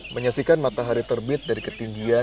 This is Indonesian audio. menyaksikan matahari terbit dari ketinggian